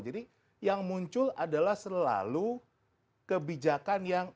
yang muncul adalah selalu kebijakan yang